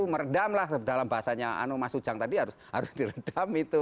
meredam lah dalam bahasanya mas ujang tadi harus diredam itu